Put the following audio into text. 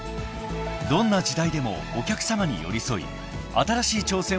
［どんな時代でもお客さまに寄り添い新しい挑戦を続けていく］